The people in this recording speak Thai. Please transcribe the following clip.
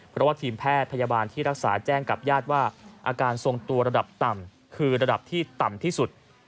เพราะว่าทีมแพทย์พยาบาลที่รักษาแจ้งกับญาติว่าอาการทรงตัวระดับต่ำคือระดับที่ต่ำที่สุด